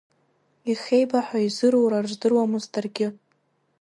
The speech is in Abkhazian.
Ихеибаҳәа, изырура рыздыруамызт даргьы.